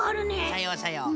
さようさよう。